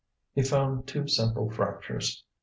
He found two simple fractures.